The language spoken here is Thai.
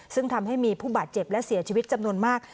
ซึ่งทำให้มีผู้บาดเจ็บและเสียชีวิตจำนวนมาก